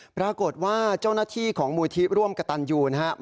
ปรากฏว่าเจ้าหน้าที่ของมูลที่ร่วมกระตันยูนะครับ